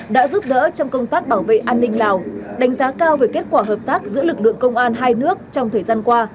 đã giúp đỡ trong công tác bảo vệ an ninh lào đánh giá cao về kết quả hợp tác giữa lực lượng công an hai nước trong thời gian qua